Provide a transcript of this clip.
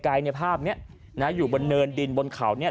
ในภาพเนี้ยนะอยู่บนเนินดินบนเขาเนี่ย